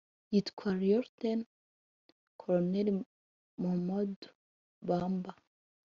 yitwa Lieutenant-Colonel Mamadou Bamba